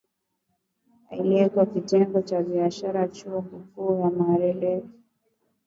aliyeko Kitengo cha Biashara Chuo Kikuu cha Makerere